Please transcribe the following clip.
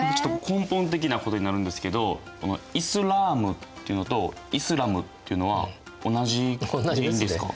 根本的なことになるんですけど「イスラーム」っていうのと「イスラム」っていうのは同じことでいいんですか？